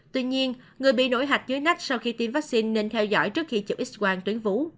tuy nhiên người bị nổi hạch dưới nách sau khi tiêm vaccine nên theo dõi trước khi chụp x quang tuyến vú